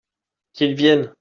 Qu'ils viennent !